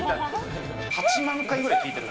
８万回ぐらい聞いてる。